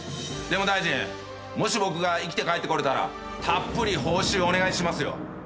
でも大臣もし僕が生きて帰ってこれたらたっぷり報酬お願いしますよ。